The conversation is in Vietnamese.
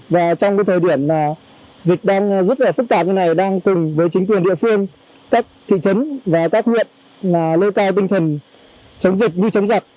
và trong cái thời điểm dịch đang rất là phức tạp như này đang cùng với chính quyền địa phương các thị trấn và các huyện là lêu tai tinh thần chống dịch như chống giặc